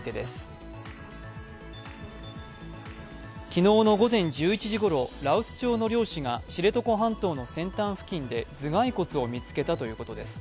昨日の午前１１時ごろ、羅臼町の漁師が知床半島の先端付近で頭蓋骨を見つけたということです。